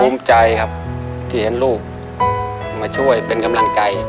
ภูมิใจครับที่เห็นลูกมาช่วยเป็นกำลังใจ